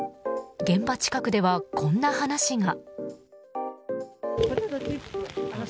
現場近くでは、こんな話が。